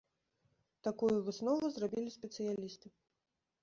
Такую выснову зрабілі спецыялісты.